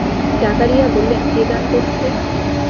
জাকারিয়া বললেন, কে গান করছে?